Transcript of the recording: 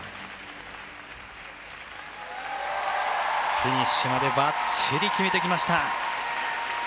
フィニッシュまでばっちり決めてきました。